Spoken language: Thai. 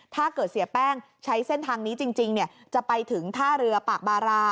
ถ้าเกิดเสียแป้งใช้เส้นทางนี้จริงจะไปถึงท่าเรือปากบารา